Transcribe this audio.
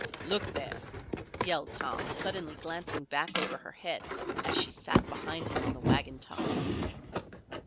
"Look there!" yelled Tom, suddenly glancing back over her head as she sat behind him on the wagon tongue.